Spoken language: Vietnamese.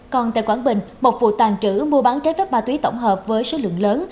còn tại quảng bình một vụ tàn trữ mua bán trái phép ma túy tổng hợp với số lượng lớn